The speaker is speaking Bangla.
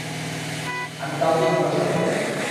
আমি কাউকেই ভরসা করি না।